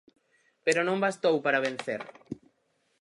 Pero non bastou para vencer.